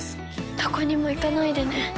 どこにも行かないでね。